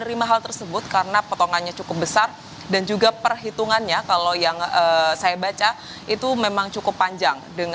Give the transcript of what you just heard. menerima hal tersebut karena potongannya cukup besar dan juga perhitungannya kalau yang saya baca itu memang cukup panjang